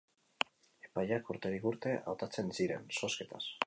Epaileak urterik urte hautatzen ziren, zozketaz.